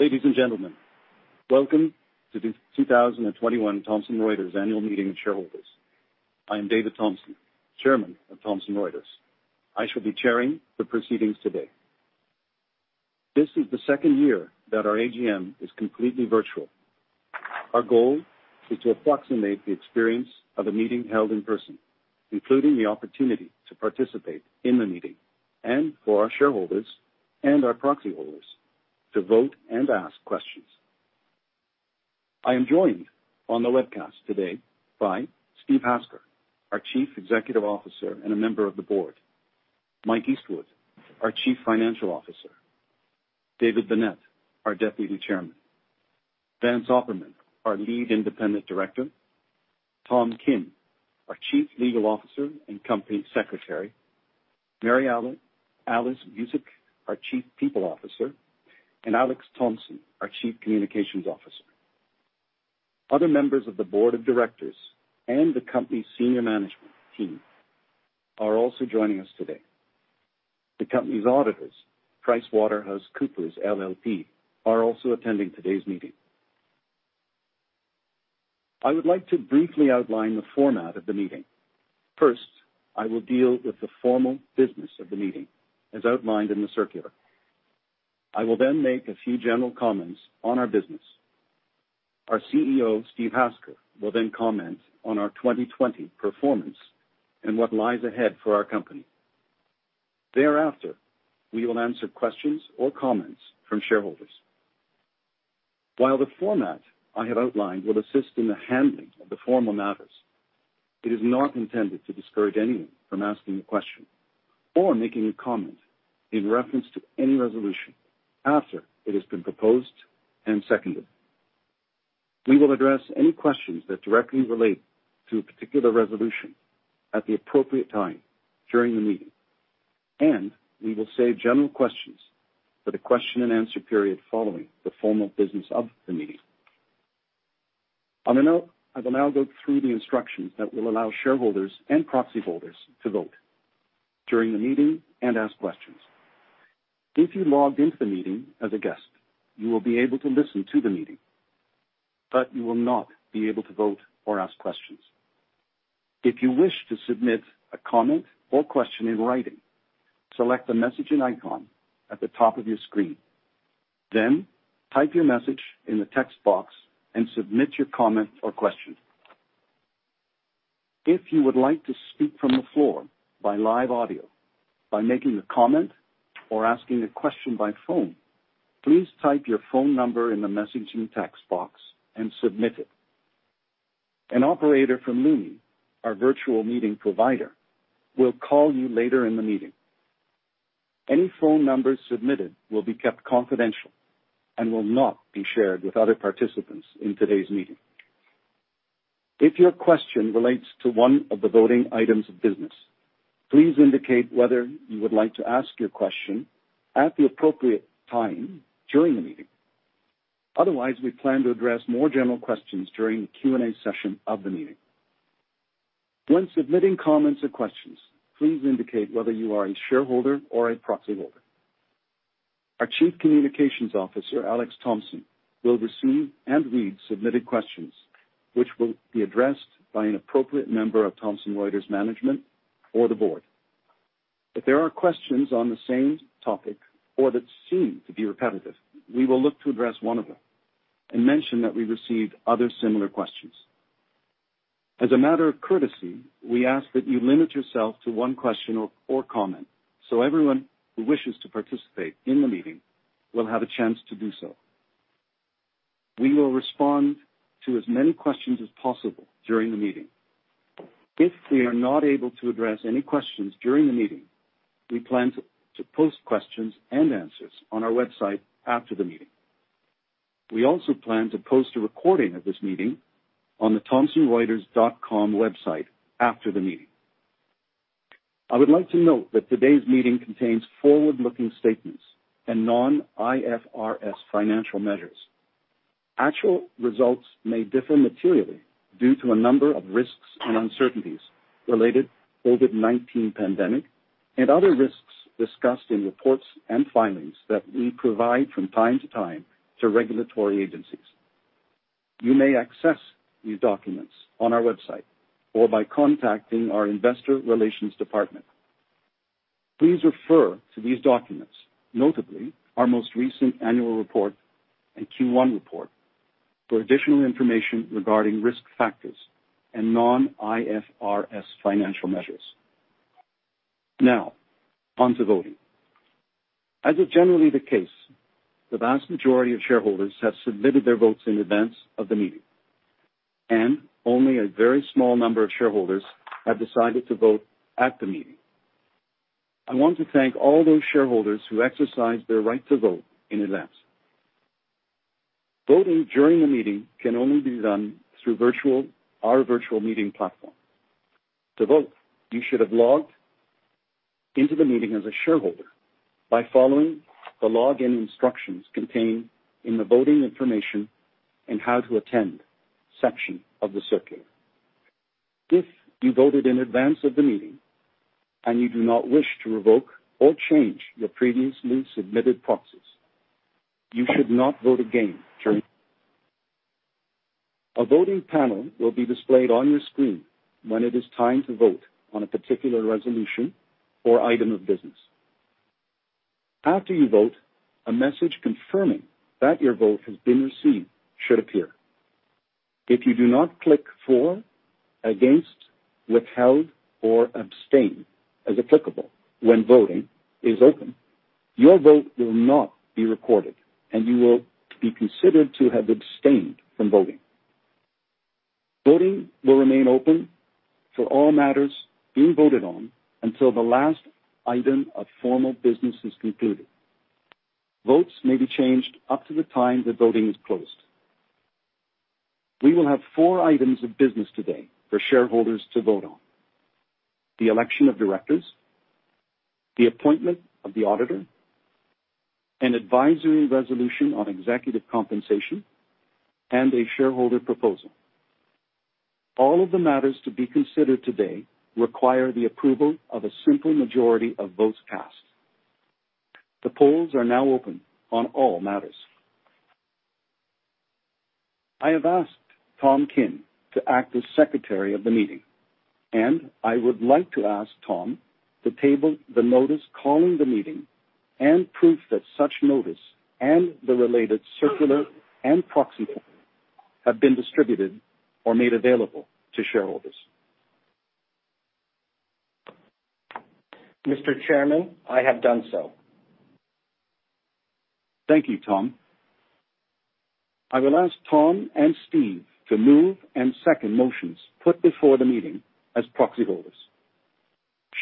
Ladies and gentlemen, welcome to the 2021 Thomson Reuters Annual Meeting of Shareholders. I am David Thomson, Chairman of Thomson Reuters. I shall be chairing the proceedings today. This is the second year that our AGM is completely virtual. Our goal is to approximate the experience of a meeting held in person, including the opportunity to participate in the meeting and, for our shareholders and our proxy holders, to vote and ask questions. I am joined on the webcast today by Steve Hasker, our Chief Executive Officer and a member of the board, Mike Eastwood, our Chief Financial Officer, David Binet, our Deputy Chairman, Vance Opperman, our Lead Independent Director, Tom Kim, our Chief Legal Officer and Company Secretary, Mary Alice Vuicic, our Chief People Officer, and Alex Thompson, our Chief Communications Officer. Other members of the Board of Directors and the company's senior management team are also joining us today. The company's auditors, PricewaterhouseCoopers LLP, are also attending today's meeting. I would like to briefly outline the format of the meeting. First, I will deal with the formal business of the meeting, as outlined in the circular. I will then make a few general comments on our business. Our CEO, Steve Hasker, will then comment on our 2020 performance and what lies ahead for our company. Thereafter, we will answer questions or comments from shareholders. While the format I have outlined will assist in the handling of the formal matters, it is not intended to discourage anyone from asking a question or making a comment in reference to any resolution after it has been proposed and seconded. We will address any questions that directly relate to a particular resolution at the appropriate time during the meeting, and we will save general questions for the question-and-answer period following the formal business of the meeting. On that note, I will now go through the instructions that will allow shareholders and proxy holders to vote during the meeting and ask questions. If you logged into the meeting as a guest, you will be able to listen to the meeting, but you will not be able to vote or ask questions. If you wish to submit a comment or question in writing, select the messaging icon at the top of your screen, then type your message in the text box and submit your comment or question. If you would like to speak from the floor by live audio, by making a comment, or asking a question by phone, please type your phone number in the messaging text box and submit it. An operator from Lumi Global, our virtual meeting provider, will call you later in the meeting. Any phone numbers submitted will be kept confidential and will not be shared with other participants in today's meeting. If your question relates to one of the voting items of business, please indicate whether you would like to ask your question at the appropriate time during the meeting. Otherwise, we plan to address more general questions during the Q&A session of the meeting. When submitting comments or questions, please indicate whether you are a shareholder or a proxy holder. Our Chief Communications Officer, Alex Thompson, will receive and read submitted questions, which will be addressed by an appropriate member of Thomson Reuters management or the board. If there are questions on the same topic or that seem to be repetitive, we will look to address one of them and mention that we received other similar questions. As a matter of courtesy, we ask that you limit yourself to one question or comment so everyone who wishes to participate in the meeting will have a chance to do so. We will respond to as many questions as possible during the meeting. If we are not able to address any questions during the meeting, we plan to post questions and answers on our website after the meeting. We also plan to post a recording of this meeting on the thomsonreuters.com website after the meeting. I would like to note that today's meeting contains forward-looking statements and non-IFRS financial measures. Actual results may differ materially due to a number of risks and uncertainties related to the COVID-19 pandemic and other risks discussed in reports and filings that we provide from time to time to regulatory agencies. You may access these documents on our website or by contacting our Investor Relations Department. Please refer to these documents, notably our most recent annual report and Q1 report, for additional information regarding risk factors and non-IFRS financial measures. Now, on to voting. As is generally the case, the vast majority of shareholders have submitted their votes in advance of the meeting, and only a very small number of shareholders have decided to vote at the meeting. I want to thank all those shareholders who exercised their right to vote in advance. Voting during the meeting can only be done through our virtual meeting platform. To vote, you should have logged into the meeting as a shareholder by following the login instructions contained in the voting information and how to attend section of the circular. If you voted in advance of the meeting and you do not wish to revoke or change your previously submitted proxies, you should not vote again during the meeting. A voting panel will be displayed on your screen when it is time to vote on a particular resolution or item of business. After you vote, a message confirming that your vote has been received should appear. If you do not click for, against, withheld, or abstain as applicable when voting is open, your vote will not be recorded, and you will be considered to have abstained from voting. Voting will remain open for all matters being voted on until the last item of formal business is concluded. Votes may be changed up to the time the voting is closed. We will have four items of business today for shareholders to vote on: the election of directors, the appointment of the auditor, an advisory resolution on executive compensation, and a shareholder proposal. All of the matters to be considered today require the approval of a simple majority of votes cast. The polls are now open on all matters. I have asked Tom Kim to act as secretary of the meeting, and I would like to ask Thomas to table the notice calling the meeting and proof that such notice and the related circular and proxy have been distributed or made available to shareholders. Mr. Chairman, I have done so. Thank you, Tom. I will ask Tom and Steve to move and second motions put before the meeting as proxy holders.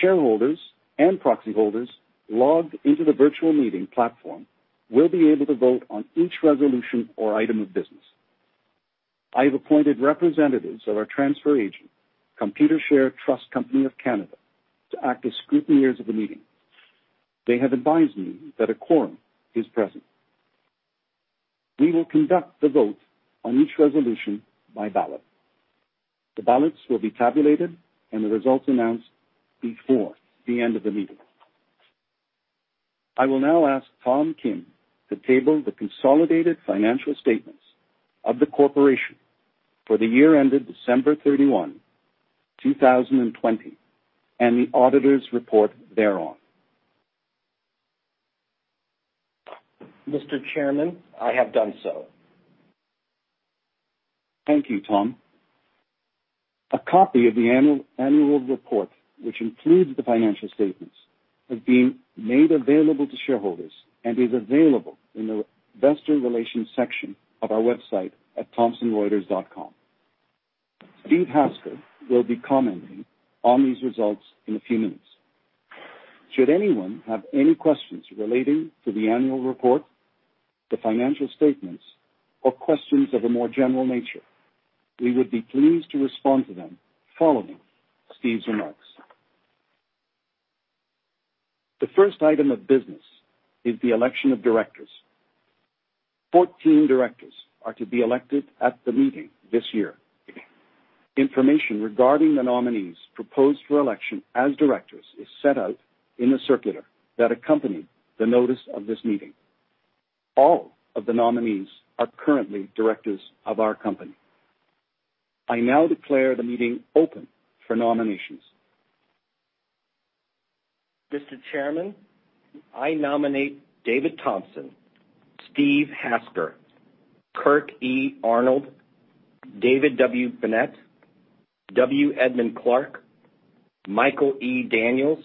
Shareholders and proxy holders logged into the virtual meeting platform will be able to vote on each resolution or item of business. I have appointed representatives of our transfer agent, Computershare Trust Company of Canada, to act as scrutineers of the meeting. They have advised me that a quorum is present. We will conduct the vote on each resolution by ballot. The ballots will be tabulated and the results announced before the end of the meeting. I will now ask Tom Kim to table the consolidated financial statements of the corporation for the year ended December 31, 2020, and the auditor's report thereon. Mr. Chairman, I have done so. Thank you, Tom. A copy of the annual report, which includes the financial statements, has been made available to shareholders and is available in the investor relations section of our website at thomsonreuters.com. Steve Hasker will be commenting on these results in a few minutes. Should anyone have any questions relating to the annual report, the financial statements, or questions of a more general nature, we would be pleased to respond to them following Steve's remarks. The first item of business is the election of directors. 14 directors are to be elected at the meeting this year. Information regarding the nominees proposed for election as directors is set out in the circular that accompanied the notice of this meeting. All of the nominees are currently directors of our company. I now declare the meeting open for nominations. Mr. Chairman, I nominate David Thomson, Steve Hasker, Kirk E. Arnold, David W. Binet, W. Edmund Clark, Michael E. Daniels,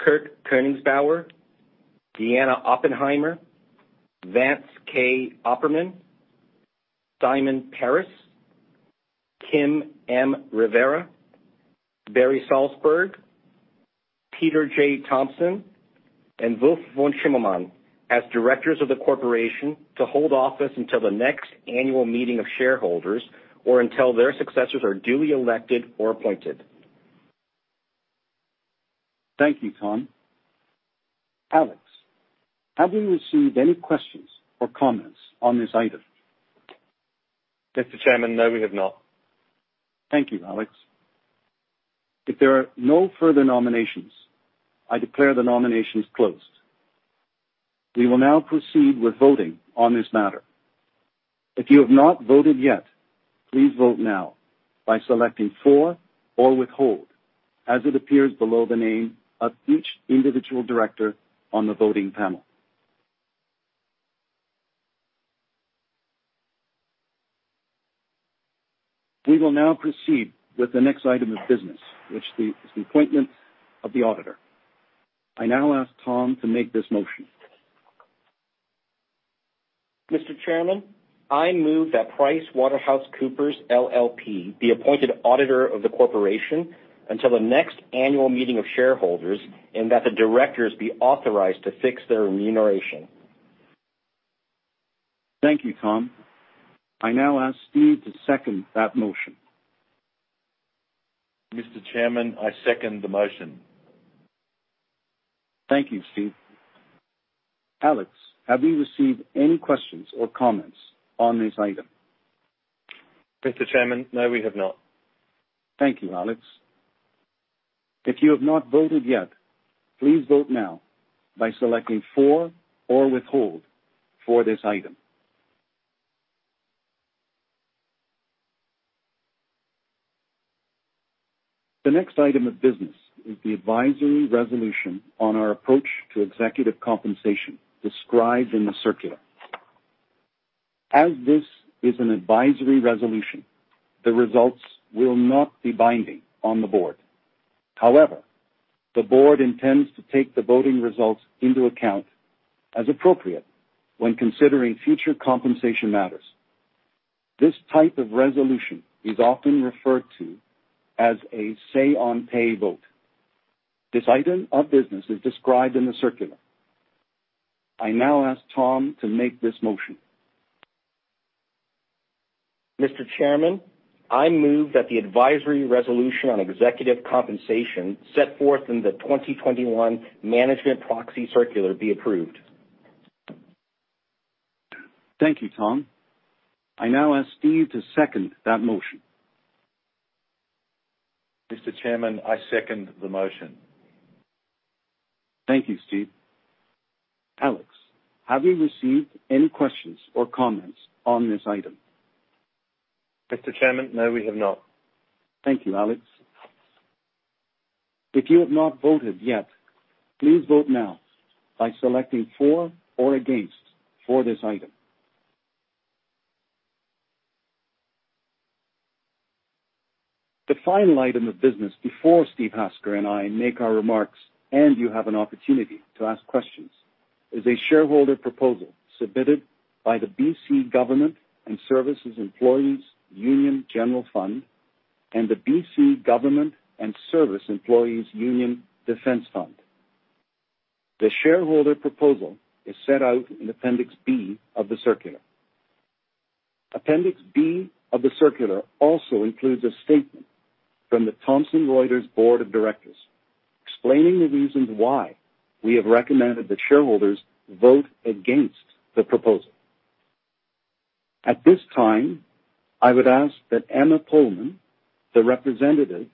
Kirk Koenigsbauer, Deanna Oppenheimer, Vance K. Opperman, Simon Paris, Kim M. Rivera, Barry Salzberg, Peter J. Thomson, and Wulf von Schimmelmann as directors of the corporation to hold office until the next annual meeting of shareholders or until their successors are duly elected or appointed. Thank you, Tom. Alex, have we received any questions or comments on this item? Mr. Chairman, no, we have not. Thank you, Alex. If there are no further nominations, I declare the nominations closed. We will now proceed with voting on this matter. If you have not voted yet, please vote now by selecting for or withhold as it appears below the name of each individual director on the voting panel. We will now proceed with the next item of business, which is the appointment of the auditor. I now ask Tom to make this motion. Mr. Chairman, I move that PricewaterhouseCoopers LLP be appointed auditor of the corporation until the next annual meeting of shareholders and that the directors be authorized to fix their remuneration. Thank you, Tom. I now ask Steve to second that motion. Mr. Chairman, I second the motion. Thank you, Steve. Alex, have we received any questions or comments on this item? Mr. Chairman, no, we have not. Thank you, Alex. If you have not voted yet, please vote now by selecting for or withhold for this item. The next item of business is the advisory resolution on our approach to executive compensation described in the circular. As this is an advisory resolution, the results will not be binding on the board. However, the board intends to take the voting results into account as appropriate when considering future compensation matters. This type of resolution is often referred to as a say-on-pay vote. This item of business is described in the circular. I now ask Tom to make this motion. Mr. Chairman, I move that the advisory resolution on executive compensation set forth in the 2021 Management Proxy Circular be approved. Thank you, Tom. I now ask Steve to second that motion. Mr. Chairman, I second the motion. Thank you, Steve. Alex, have we received any questions or comments on this item? Mr. Chairman, no, we have not. Thank you, Alex. If you have not voted yet, please vote now by selecting for or against for this item. The final item of business before Steve Hasker and I make our remarks and you have an opportunity to ask questions is a shareholder proposal submitted by the BC Government and Service Employees' Union General Fund and the BC Government and Service Employees' Union Defence Fund. The shareholder proposal is set out in Appendix B of the circular. Appendix B of the circular also includes a statement from the Thomson Reuters Board of Directors explaining the reasons why we have recommended that shareholders vote against the proposal. At this time, I would ask that Emma Pullman, the representative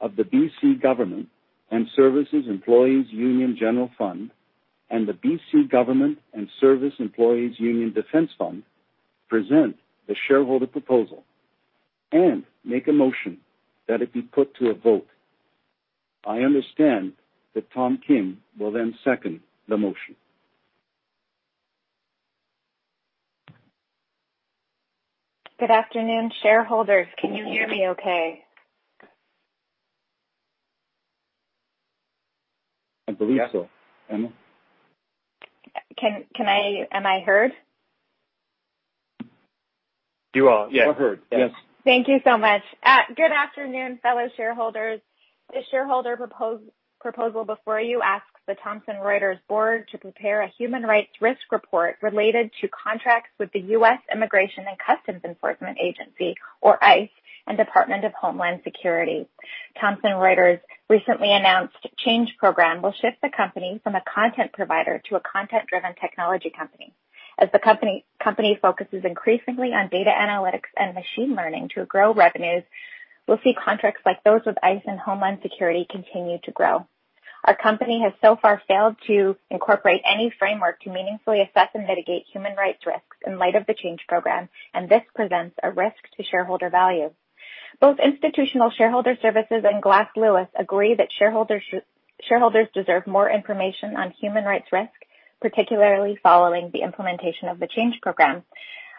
of the BC Government and Service Employees' Union General Fund and the BC Government and Service Employees' Union Defence Fund, present the shareholder proposal and make a motion that it be put to a vote. I understand that Tom Kim will then second the motion. Good afternoon, shareholders. Can you hear me okay? I believe so. Emma? Am I heard? You are, yes. We're here. Yes. Thank you so much. Good afternoon, fellow shareholders. The shareholder proposal before you asks the Thomson Reuters Board to prepare a human rights risk report related to contracts with the U.S. Immigration and Customs Enforcement, or ICE, and Department of Homeland Security. Thomson Reuters' recently announced Change Program will shift the company from a content provider to a content-driven technology company. As the company focuses increasingly on data analytics and machine learning to grow revenues, we'll see contracts like those with ICE and Homeland Security continue to grow. Our company has so far failed to incorporate any framework to meaningfully assess and mitigate human rights risks in light of the Change Program, and this presents a risk to shareholder value. Both Institutional Shareholder Services and Glass Lewis agree that shareholders deserve more information on human rights risk, particularly following the implementation of the Change Program.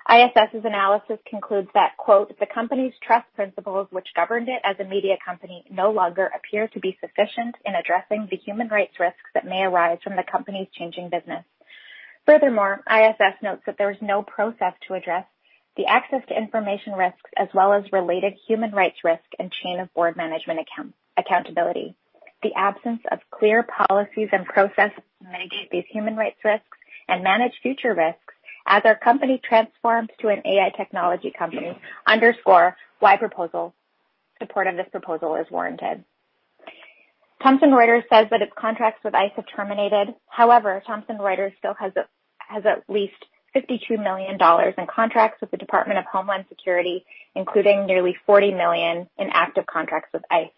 ISS's analysis concludes that, "The company's Trust Principles which governed it as a media company no longer appear to be sufficient in addressing the human rights risks that may arise from the company's changing business." Furthermore, ISS notes that there is no process to address the access to information risks as well as related human rights risk and chain of board management accountability. The absence of clear policies and processes to mitigate these human rights risks and manage future risks as our company transforms to an AI technology company underscores why support of this proposal is warranted. Thomson Reuters says that its contracts with ICE have terminated. However, Thomson Reuters still has at least $52 million in contracts with the Department of Homeland Security, including nearly $40 million in active contracts with ICE.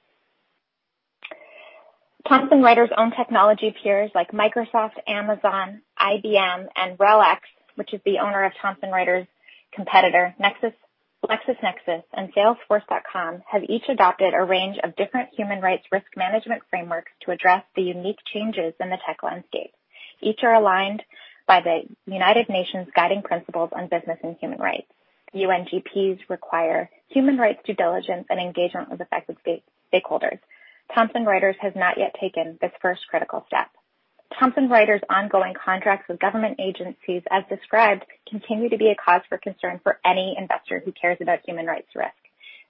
Thomson Reuters' own technology peers like Microsoft, Amazon, IBM, and RELX, which is the owner of Thomson Reuters' competitor LexisNexis and Salesforce.com, have each adopted a range of different human rights risk management frameworks to address the unique changes in the tech landscape. Each are aligned by the United Nations Guiding Principles on Business and Human Rights. UNGPs require human rights due diligence and engagement with affected stakeholders. Thomson Reuters has not yet taken this first critical step. Thomson Reuters' ongoing contracts with government agencies, as described, continue to be a cause for concern for any investor who cares about human rights risk.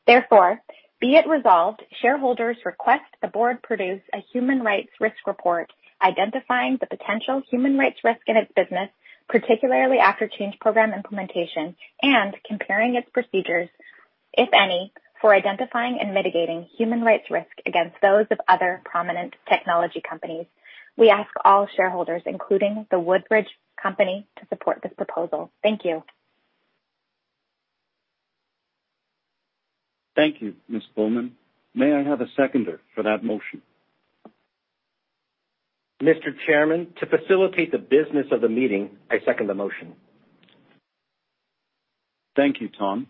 Therefore, be it resolved, shareholders request the board produce a human rights risk report identifying the potential human rights risk in its business, particularly after Change Program implementation, and comparing its procedures, if any, for identifying and mitigating human rights risk against those of other prominent technology companies. We ask all shareholders, including the Woodbridge Company, to support this proposal. Thank you. Thank you, Ms. Pullman. May I have a seconder for that motion? Mr. Chairman, to facilitate the business of the meeting, I second the motion. Thank you, Tom.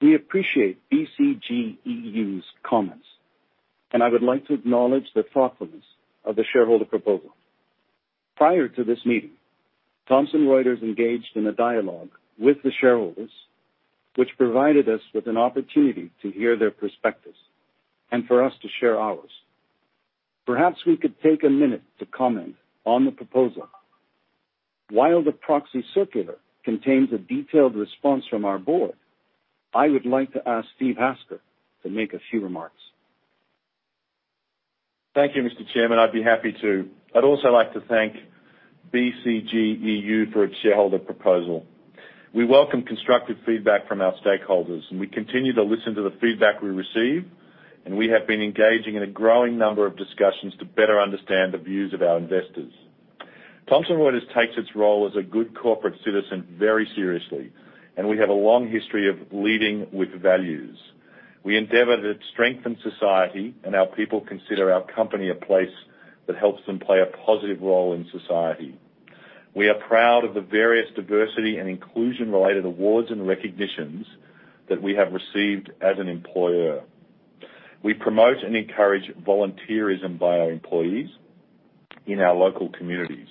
We appreciate BCGEU's comments, and I would like to acknowledge the thoughtfulness of the shareholder proposal. Prior to this meeting, Thomson Reuters engaged in a dialogue with the shareholders, which provided us with an opportunity to hear their perspectives and for us to share ours. Perhaps we could take a minute to comment on the proposal. While the Proxy Circular contains a detailed response from our board, I would like to ask Steve Hasker to make a few remarks. Thank you, Mr. Chairman. I'd be happy to. I'd also like to thank BCGEU for its shareholder proposal. We welcome constructive feedback from our stakeholders, and we continue to listen to the feedback we receive, and we have been engaging in a growing number of discussions to better understand the views of our investors. Thomson Reuters takes its role as a good corporate citizen very seriously, and we have a long history of leading with values. We endeavor to strengthen society, and our people consider our company a place that helps them play a positive role in society. We are proud of the various diversity and inclusion-related awards and recognitions that we have received as an employer. We promote and encourage volunteerism by our employees in our local communities,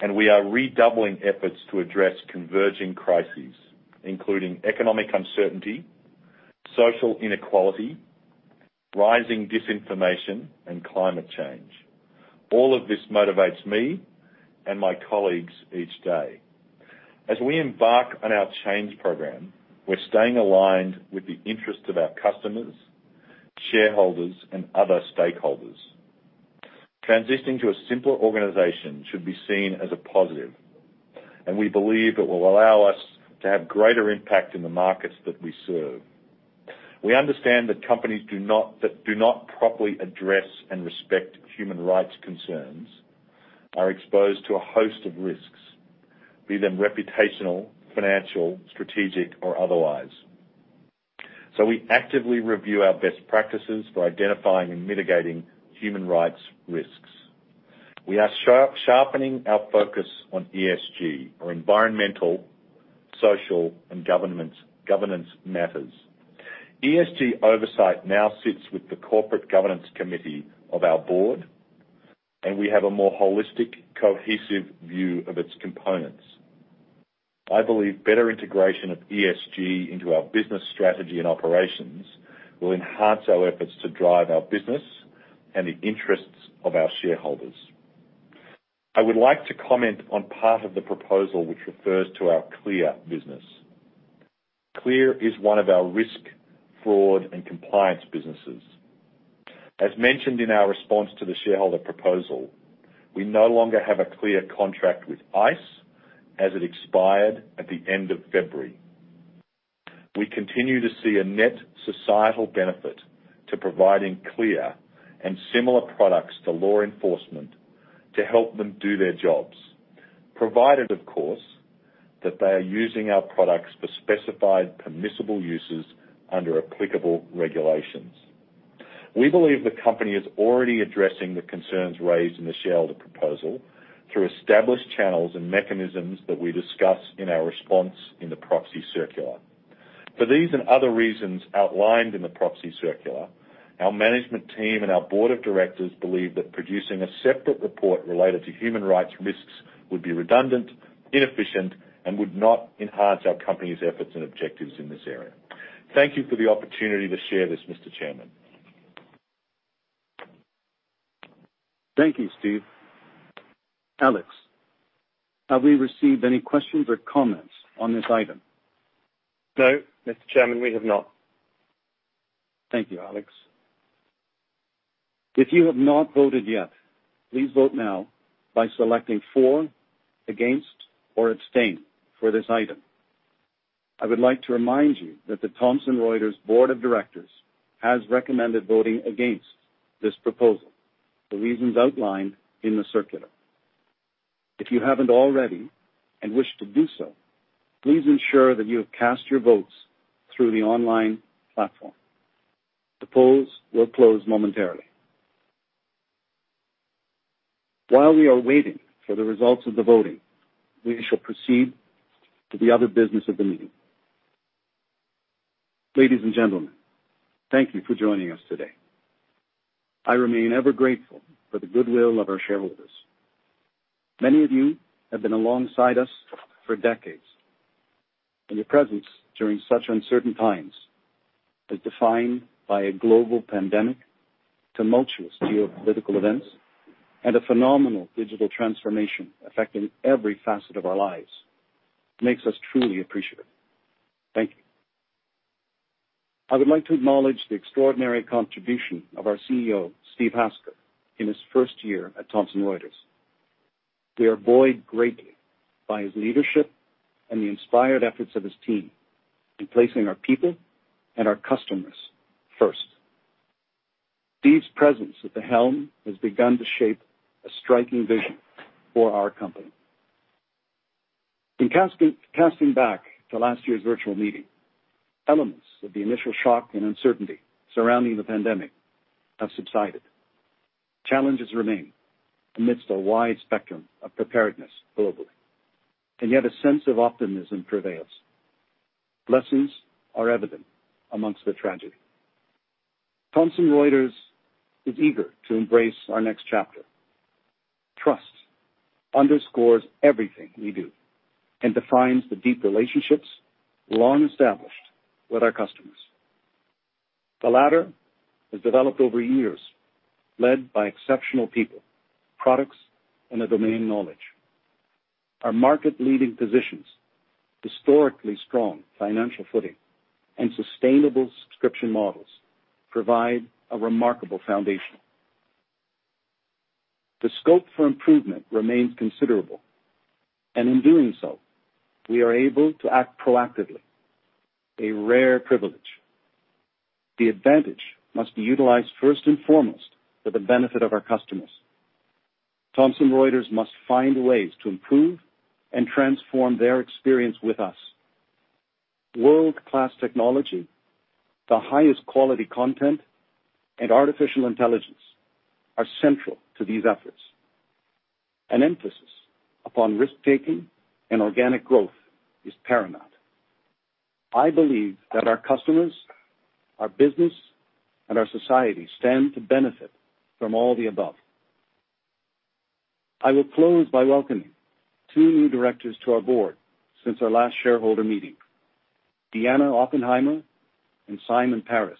and we are redoubling efforts to address converging crises, including economic uncertainty, social inequality, rising disinformation, and climate change. All of this motivates me and my colleagues each day. As we embark on our Change Program, we're staying aligned with the interests of our customers, shareholders, and other stakeholders. Transitioning to a simpler organization should be seen as a positive, and we believe it will allow us to have greater impact in the markets that we serve. We understand that companies that do not properly address and respect human rights concerns are exposed to a host of risks, be they reputational, financial, strategic, or otherwise. So we actively review our best practices for identifying and mitigating human rights risks. We are sharpening our focus on ESG, or Environmental, Social, and Governance matters. ESG oversight now sits with the Corporate Governance Committee of our board, and we have a more holistic, cohesive view of its components. I believe better integration of ESG into our business strategy and operations will enhance our efforts to drive our business and the interests of our shareholders. I would like to comment on part of the proposal which refers to our CLEAR Business. CLEAR is one of our risk, fraud, and compliance businesses. As mentioned in our response to the shareholder proposal, we no longer have a CLEAR contract with ICE as it expired at the end of February. We continue to see a net societal benefit to providing CLEAR and similar products to law enforcement to help them do their jobs, provided, of course, that they are using our products for specified permissible uses under applicable regulations. We believe the company is already addressing the concerns raised in the shareholder proposal through established channels and mechanisms that we discuss in our response in the proxy circular. For these and other reasons outlined in the proxy circular, our management team and our board of directors believe that producing a separate report related to human rights risks would be redundant, inefficient, and would not enhance our company's efforts and objectives in this area. Thank you for the opportunity to share this, Mr. Chairman. Thank you, Steve. Alex, have we received any questions or comments on this item? No, Mr. Chairman, we have not. Thank you, Alex. If you have not voted yet, please vote now by selecting for, against, or abstain for this item. I would like to remind you that the Thomson Reuters Board of Directors has recommended voting against this proposal, the reasons outlined in the circular. If you haven't already and wish to do so, please ensure that you have cast your votes through the online platform. The polls will close momentarily. While we are waiting for the results of the voting, we shall proceed to the other business of the meeting. Ladies and gentlemen, thank you for joining us today. I remain ever grateful for the goodwill of our shareholders. Many of you have been alongside us for decades, and your presence during such uncertain times, as defined by a global pandemic, tumultuous geopolitical events, and a phenomenal digital transformation affecting every facet of our lives, makes us truly appreciative. Thank you. I would like to acknowledge the extraordinary contribution of our CEO, Steve Hasker, in his first year at Thomson Reuters. We are buoyed greatly by his leadership and the inspired efforts of his team in placing our people and our customers first. Steve's presence at the helm has begun to shape a striking vision for our company. In casting back to last year's virtual meeting, elements of the initial shock and uncertainty surrounding the pandemic have subsided. Challenges remain amidst a wide spectrum of preparedness globally, and yet a sense of optimism prevails. Blessings are evident amongst the tragedy. Thomson Reuters is eager to embrace our next chapter. Trust underscores everything we do and defines the deep relationships long established with our customers. The latter has developed over years, led by exceptional people, products, and the domain knowledge. Our market-leading positions, historically strong financial footing, and sustainable subscription models provide a remarkable foundation. The scope for improvement remains considerable, and in doing so, we are able to act proactively, a rare privilege. The advantage must be utilized first and foremost for the benefit of our customers. Thomson Reuters must find ways to improve and transform their experience with us. World-class technology, the highest quality content, and artificial intelligence are central to these efforts. An emphasis upon risk-taking and organic growth is paramount. I believe that our customers, our business, and our society stand to benefit from all the above. I will close by welcoming two new directors to our board since our last shareholder meeting, Deanna Oppenheimer and Simon Paris,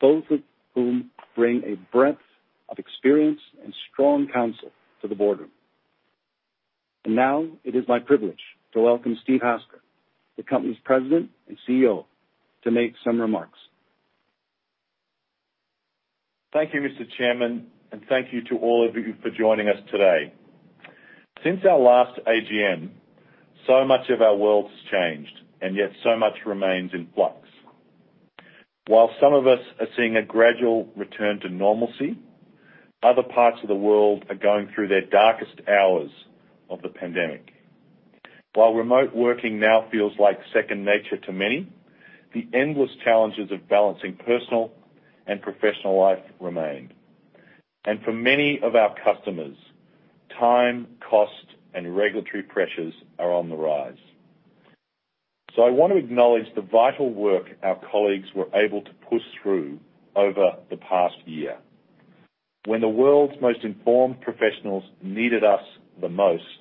both of whom bring a breadth of experience and strong counsel to the boardroom. Now it is my privilege to welcome Steve Hasker, the company's President and CEO, to make some remarks. Thank you, Mr. Chairman, and thank you to all of you for joining us today. Since our last AGM, so much of our world has changed, and yet so much remains in flux. While some of us are seeing a gradual return to normalcy, other parts of the world are going through their darkest hours of the pandemic. While remote working now feels like second nature to many, the endless challenges of balancing personal and professional life remain. And for many of our customers, time, cost, and regulatory pressures are on the rise. So I want to acknowledge the vital work our colleagues were able to push through over the past year. When the world's most informed professionals needed us the most,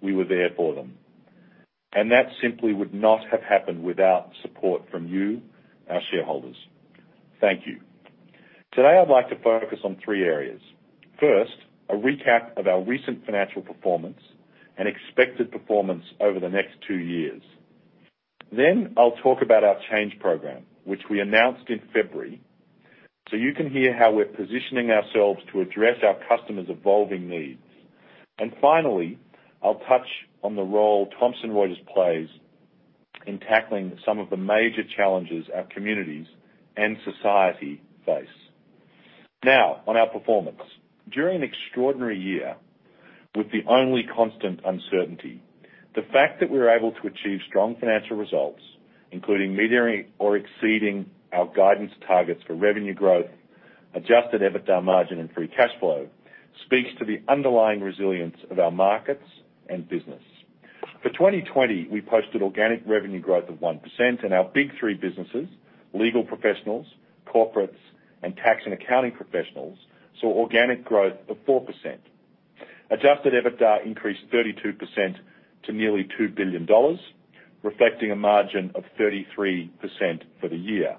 we were there for them. And that simply would not have happened without support from you, our shareholders. Thank you. Today, I'd like to focus on three areas. First, a recap of our recent financial performance and expected performance over the next two years. Then I'll talk about our Change Program, which we announced in February, so you can hear how we're positioning ourselves to address our customers' evolving needs. And finally, I'll touch on the role Thomson Reuters plays in tackling some of the major challenges our communities and society face. Now, on our performance. During an extraordinary year with the only constant uncertainty, the fact that we were able to achieve strong financial results, including meeting or exceeding our guidance targets for revenue growth, Adjusted EBITDA margin, and Free Cash Flow, speaks to the underlying resilience of our markets and business. For 2020, we posted organic revenue growth of 1%, and our Big Three businesses, legal professionals, corporates, and tax and accounting professionals saw organic growth of 4%. Adjusted EBITDA increased 32% to nearly $2 billion, reflecting a margin of 33% for the year.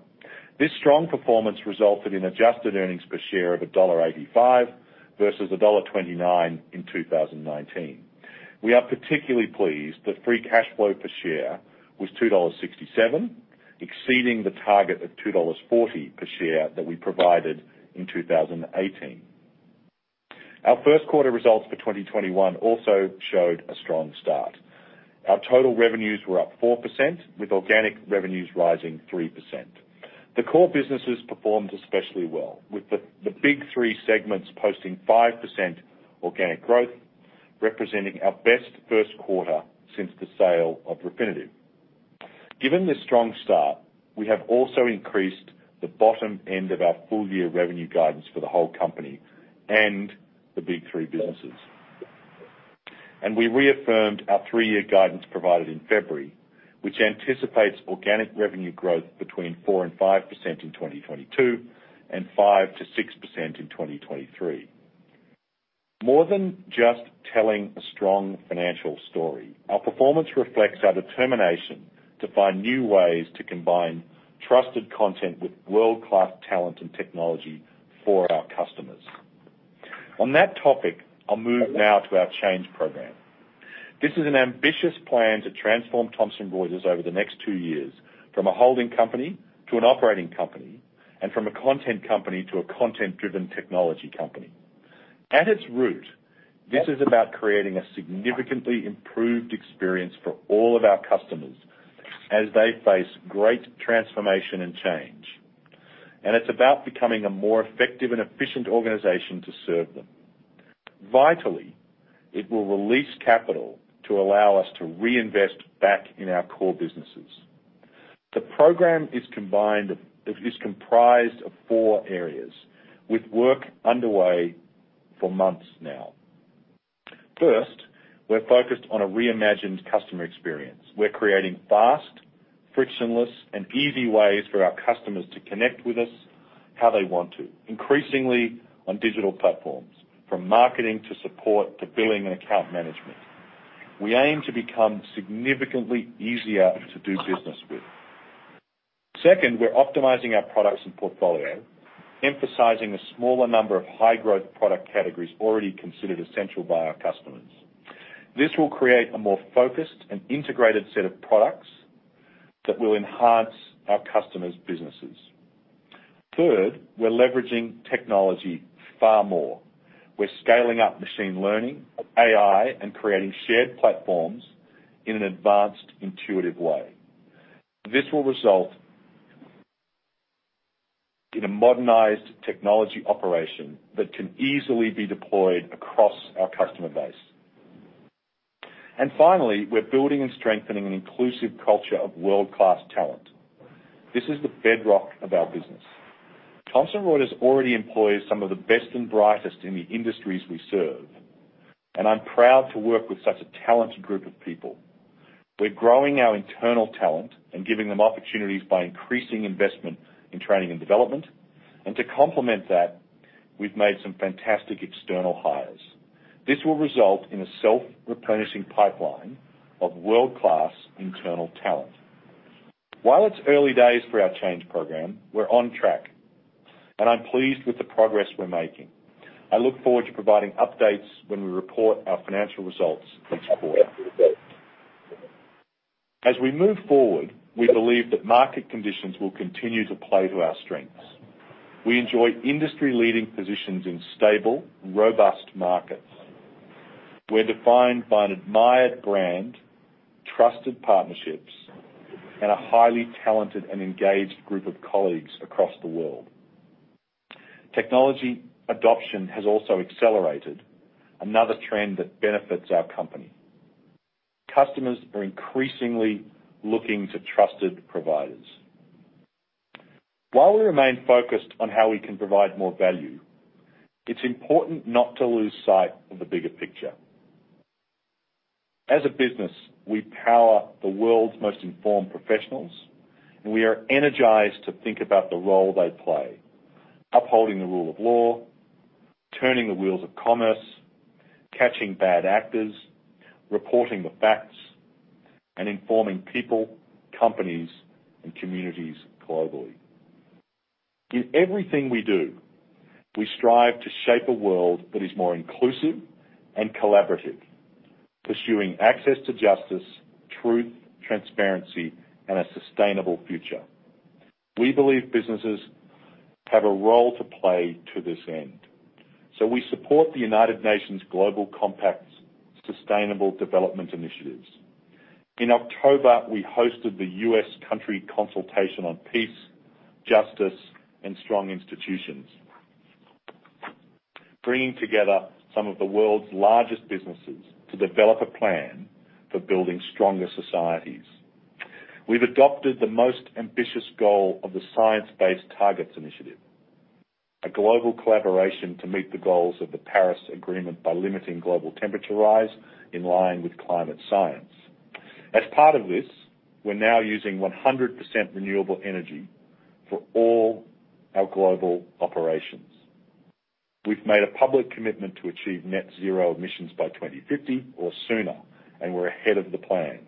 This strong performance resulted in adjusted earnings per share of $1.85 versus $1.29 in 2019. We are particularly pleased that free cash flow per share was $2.67, exceeding the target of $2.40 per share that we provided in 2018. Our first quarter results for 2021 also showed a strong start. Our total revenues were up 4%, with organic revenues rising 3%. The core businesses performed especially well, with the big three segments posting 5% organic growth, representing our best first quarter since the sale of Refinitiv. Given this strong start, we have also increased the bottom end of our full-year revenue guidance for the whole company and the big three businesses. We reaffirmed our three-year guidance provided in February, which anticipates organic revenue growth between 4% and 5% in 2022 and 5%-6% in 2023. More than just telling a strong financial story, our performance reflects our determination to find new ways to combine trusted content with world-class talent and technology for our customers. On that topic, I'll move now to our Change Program. This is an ambitious plan to transform Thomson Reuters over the next two years from a holding company to an operating company and from a content company to a content-driven technology company. At its root, this is about creating a significantly improved experience for all of our customers as they face great transformation and change. And it's about becoming a more effective and efficient organization to serve them. Vitally, it will release capital to allow us to reinvest back in our core businesses. The program is comprised of four areas, with work underway for months now. First, we're focused on a reimagined customer experience. We're creating fast, frictionless, and easy ways for our customers to connect with us how they want to, increasingly on digital platforms, from marketing to support to billing and account management. We aim to become significantly easier to do business with. Second, we're optimizing our products and portfolio, emphasizing a smaller number of high-growth product categories already considered essential by our customers. This will create a more focused and integrated set of products that will enhance our customers' businesses. Third, we're leveraging technology far more. We're scaling up machine learning, AI, and creating shared platforms in an advanced, intuitive way. This will result in a modernized technology operation that can easily be deployed across our customer base. And finally, we're building and strengthening an inclusive culture of world-class talent. This is the bedrock of our business. Thomson Reuters already employs some of the best and brightest in the industries we serve, and I'm proud to work with such a talented group of people. We're growing our internal talent and giving them opportunities by increasing investment in training and development, and to complement that, we've made some fantastic external hires. This will result in a self-replenishing pipeline of world-class internal talent. While it's early days for our Change Program, we're on track, and I'm pleased with the progress we're making. I look forward to providing updates when we report our financial results each quarter. As we move forward, we believe that market conditions will continue to play to our strengths. We enjoy industry-leading positions in stable, robust markets. We're defined by an admired brand, trusted partnerships, and a highly talented and engaged group of colleagues across the world. Technology adoption has also accelerated, another trend that benefits our company. Customers are increasingly looking to trusted providers. While we remain focused on how we can provide more value, it's important not to lose sight of the bigger picture. As a business, we power the world's most informed professionals, and we are energized to think about the role they play, upholding the rule of law, turning the wheels of commerce, catching bad actors, reporting the facts, and informing people, companies, and communities globally. In everything we do, we strive to shape a world that is more inclusive and collaborative, pursuing access to justice, truth, transparency, and a sustainable future. We believe businesses have a role to play to this end, so we support the United Nations Global Compact's Sustainable Development Initiatives. In October, we hosted the U.S. Country Consultation on Peace, Justice, and Strong Institutions, bringing together some of the world's largest businesses to develop a plan for building stronger societies. We've adopted the most ambitious goal of the Science Based Targets initiative, a global collaboration to meet the goals of the Paris Agreement by limiting global temperature rise in line with climate science. As part of this, we're now using 100% renewable energy for all our global operations. We've made a public commitment to achieve Net Zero emissions by 2050 or sooner, and we're ahead of the plan.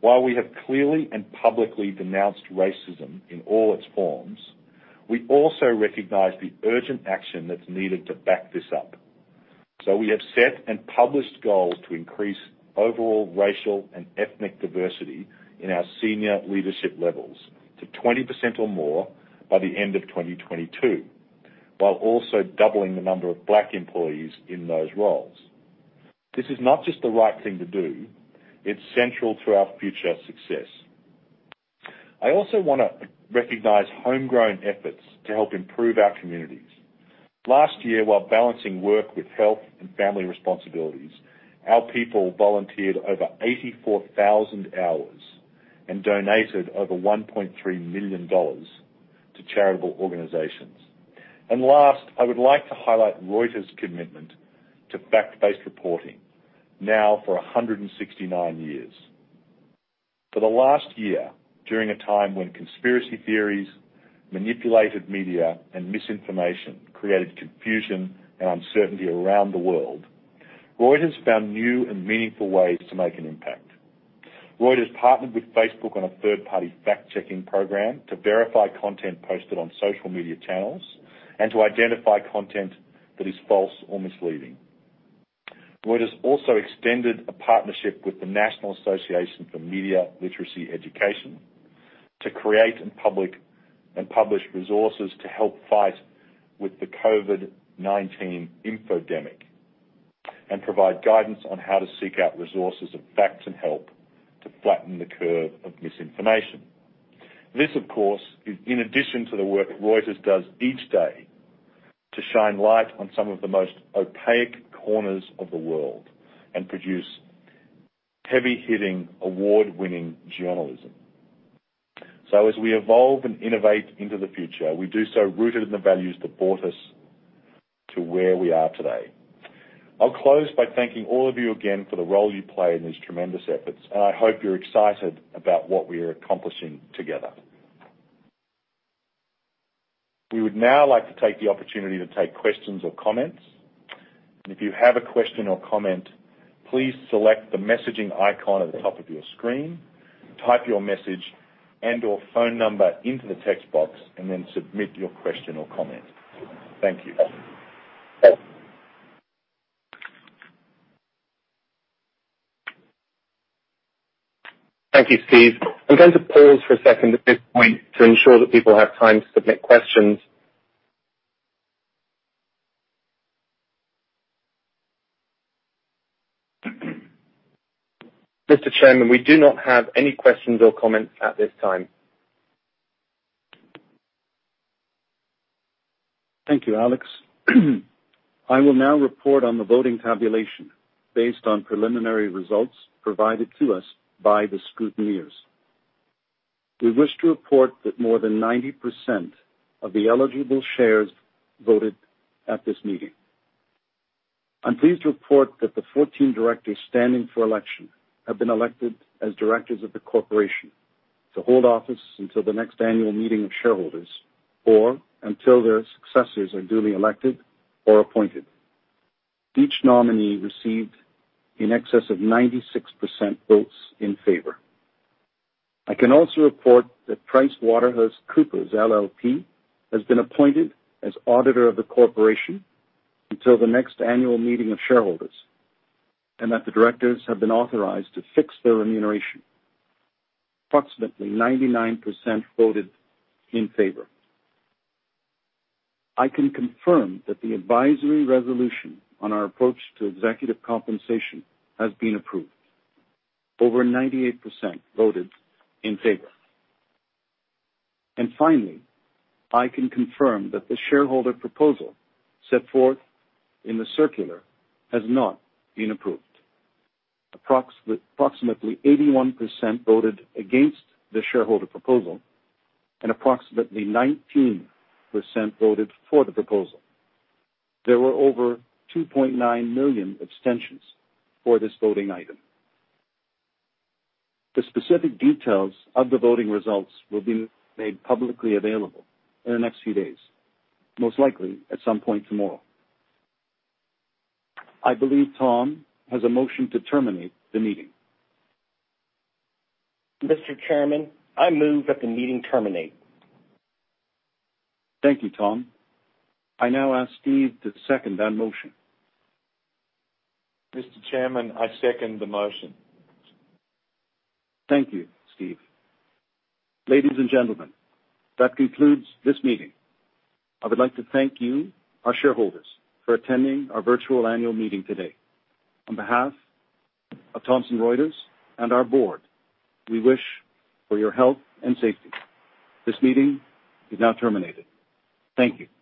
While we have clearly and publicly denounced racism in all its forms, we also recognize the urgent action that's needed to back this up. We have set and published goals to increase overall racial and ethnic diversity in our senior leadership levels to 20% or more by the end of 2022, while also doubling the number of Black employees in those roles. This is not just the right thing to do. It's central to our future success. I also want to recognize homegrown efforts to help improve our communities. Last year, while balancing work with health and family responsibilities, our people volunteered over 84,000 hours and donated over $1.3 million to charitable organizations. Last, I would like to highlight Reuters' commitment to fact-based reporting, now for 169 years. For the last year, during a time when conspiracy theories, manipulated media, and misinformation created confusion and uncertainty around the world, Reuters found new and meaningful ways to make an impact. Reuters partnered with Facebook on a third-party fact-checking program to verify content posted on social media channels and to identify content that is false or misleading. Reuters also extended a partnership with the National Association for Media Literacy Education to create and publish resources to help fight with the COVID-19 infodemic and provide guidance on how to seek out resources and facts and help to flatten the curve of misinformation. This, of course, is in addition to the work Reuters does each day to shine light on some of the most opaque corners of the world and produce heavy-hitting, award-winning journalism, so as we evolve and innovate into the future, we do so rooted in the values that brought us to where we are today. I'll close by thanking all of you again for the role you play in these tremendous efforts, and I hope you're excited about what we are accomplishing together. We would now like to take the opportunity to take questions or comments. And if you have a question or comment, please select the messaging icon at the top of your screen, type your message and/or phone number into the text box, and then submit your question or comment. Thank you. Thank you, Steve. I'm going to pause for a second at this point to ensure that people have time to submit questions. Mr. Chairman, we do not have any questions or comments at this time. Thank you, Alex. I will now report on the voting tabulation based on preliminary results provided to us by the scrutineers. We wish to report that more than 90% of the eligible shares voted at this meeting. I'm pleased to report that the 14 directors standing for election have been elected as directors of the corporation to hold office until the next annual meeting of shareholders or until their successors are duly elected or appointed. Each nominee received in excess of 96% votes in favor. I can also report that PricewaterhouseCoopers LLP has been appointed as auditor of the corporation until the next annual meeting of shareholders and that the directors have been authorized to fix their remuneration. Approximately 99% voted in favor. I can confirm that the advisory resolution on our approach to executive compensation has been approved. Over 98% voted in favor. And finally, I can confirm that the shareholder proposal set forth in the circular has not been approved. Approximately 81% voted against the shareholder proposal, and approximately 19% voted for the proposal. There were over 2.9 million abstentions for this voting item. The specific details of the voting results will be made publicly available in the next few days, most likely at some point tomorrow. I believe Tom has a motion to terminate the meeting. Mr. Chairman, I move that the meeting terminate. Thank you, Tom. I now ask Steve to second that motion. Mr. Chairman, I second the motion. Thank you, Steve. Ladies and gentlemen, that concludes this meeting. I would like to thank you, our shareholders, for attending our virtual annual meeting today. On behalf of Thomson Reuters and our board, we wish for your health and safety. This meeting is now terminated. Thank you.